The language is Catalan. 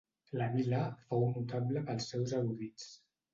La vila fou notable pels seus erudits.